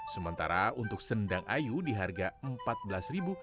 sementara untuk sendang ayu di harga empat belas rupiah